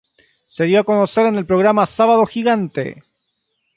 Se dio a conocer en el programa Sábado Gigante.